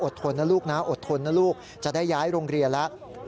ทนนะลูกนะอดทนนะลูกจะได้ย้ายโรงเรียนแล้ว